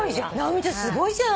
すごいじゃん。